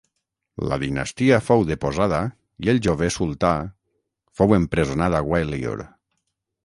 La dinastia fou deposada i el jove sultà fou empresonat a Gwalior.